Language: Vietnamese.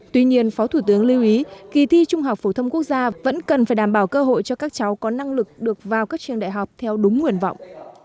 tuy nhiên phó thủ tướng lưu ý kỳ thi trung học phổ thông quốc gia vẫn cần phải đảm bảo cơ hội cho các cháu có năng lực được vào các trường đại học theo đúng nguyện vọng